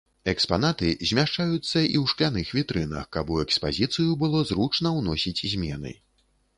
Экспанаты змяшчаюцца і ў шкляных вітрынах, каб у экспазіцыю было зручна ўносіць змены.